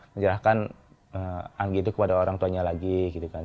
menyerahkan anggi itu kepada orang tuanya lagi gitu kan